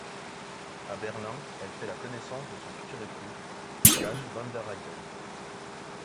À Berlin, elle fait la connaissance de son futur époux, Jan Vanderheyden.